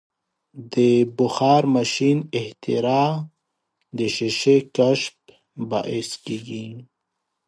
د بخار ماشین اختراع د شیشې کشف بحث کیږي.